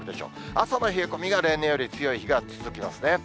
朝の冷え込みが例年より強い日が続きますね。